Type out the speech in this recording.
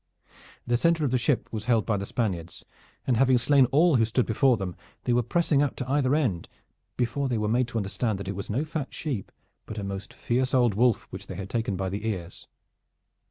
The center of the ship was held by the Spaniards; and having slain all who stood before them, they were pressing up to either end before they were made to understand that it was no fat sheep but a most fierce old wolf which they had taken by the ears.